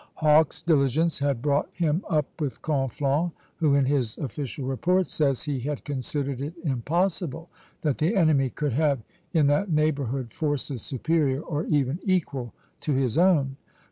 Hawke's diligence had brought him up with Conflans, who, in his official reports, says he had considered it impossible that the enemy could have in that neighborhood forces superior or even equal to his own.